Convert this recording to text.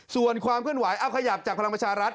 ส่วนความเคลื่อนไหวเอาขยับจากพลังประชารัฐ